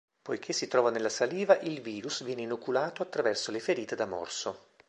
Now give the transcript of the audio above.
Poiché si trova nella saliva, il virus viene inoculato attraverso le ferite da morso.